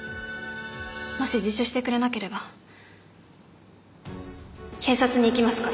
もし自首してくれなければ警察に行きますから。